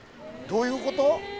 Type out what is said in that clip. どういうこと？